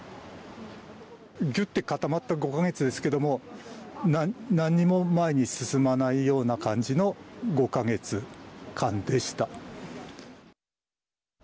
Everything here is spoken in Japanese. ぎゅってかたまった５か月ですけども何も前に進まないような感じの５か月間でした。